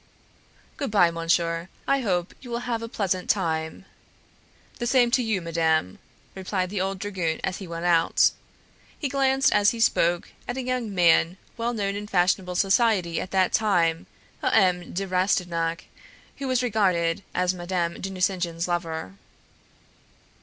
"Good by, monsieur; I hope you will have a pleasant time." "The same to you, madame," replied the old dragoon as he went out. He glanced as he spoke at a young man well known in fashionable society at that time, a M. de Rastignac, who was regarded as Madame de Nucingen's lover.